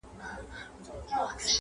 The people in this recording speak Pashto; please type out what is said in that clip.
د شعر مانا له شاعر سره وي -